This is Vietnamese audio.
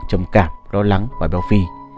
trầm cảm lo lắng và béo phì